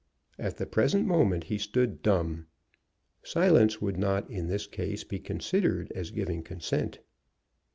At the present moment he stood dumb. Silence would not in this case be considered as giving consent.